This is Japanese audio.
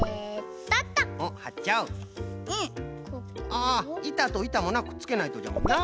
ああいたといたもなくっつけないとじゃもんな。